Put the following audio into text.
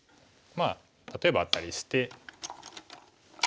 例えばアタリして。